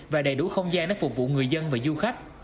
và đầy đủ không gian để phục vụ người dân và du khách